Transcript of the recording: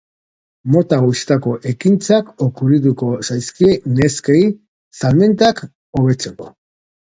Mota guztietako ekintzak okurrituko zaizkie neskei salmentak hobetzeko.